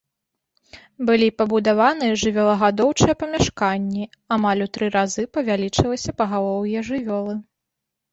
Былі пабудаваны жывёлагадоўчыя памяшканні, амаль у тры разы павялічылася пагалоўе жывёлы.